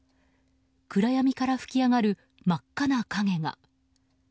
暗闇から噴き上がる真っ赤な影が。